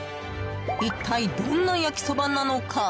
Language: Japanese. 一体、どんな焼きそばなのか？